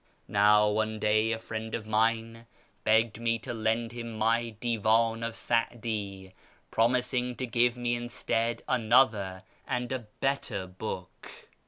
" Now one day a friend of mine begged me to lend him my Divan of Sa'di, promising to give me instead another and a better l)ook.